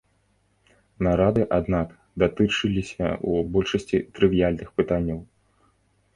Нарады, аднак, датычыліся ў большасці трывіяльных пытанняў.